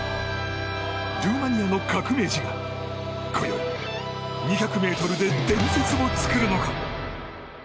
ルーマニアの革命児が今宵２００ｍで伝説を作るのか。